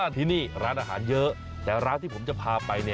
ที่นี่ร้านอาหารเยอะแต่ร้านที่ผมจะพาไป